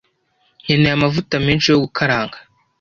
Nkeneye amavuta menshi yo gukaranga.